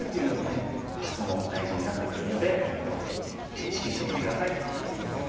発想も大事になってくるのでいろいろ意識してみて下さい。